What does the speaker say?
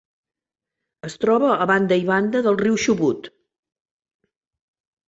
Es troba a banda i banda del riu Chubut.